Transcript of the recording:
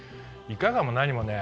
「“いかがも何もね”」